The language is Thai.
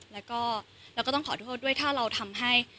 แล้วก็เราก็ต้องขอโทษด้วยถ้าเราทำให้